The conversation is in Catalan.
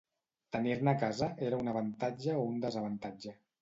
Tenir-ne a casa era un avantatge o un desavantatge?